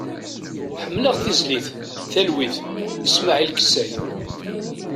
Ḥemmleɣ tizlit "Talwit" n Smail Kessay.